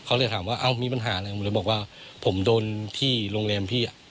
เขาเลยถามว่าเอ้ามีปัญหาอะไรผมเลยบอกว่าผมโดนที่โรงแรมพี่